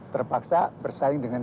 terpaksa bersaing dengan